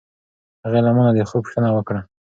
هغې له ما نه د خوب پوښتنه وکړه.